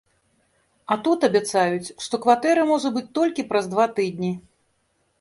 А тут абяцаюць, што кватэра можа быць толькі праз два тыдні.